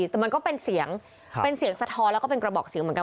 แต่มันก็เป็นเสียงเป็นเสียงสะท้อนแล้วก็เป็นกระบอกเสียงเหมือนกัน